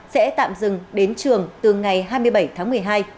sẽ tạm dừng đến trường từ ngày hai mươi bảy tháng một mươi hai